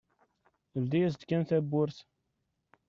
Ldi-yas-d kan tawwurt.